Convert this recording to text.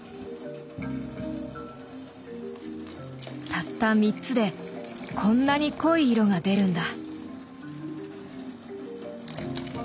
たった３つでこんなに濃い色が出るんだ。